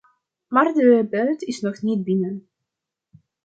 Maar de buit is nog niet binnen.